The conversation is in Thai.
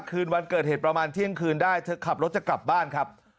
คืนวันเกิดเหตุประมาณเที่ยงคืนได้เธอขับรถจะกลับบ้านครับ